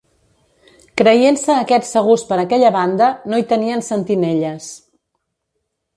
Creient-se aquests segurs per aquella banda, no hi tenien sentinelles.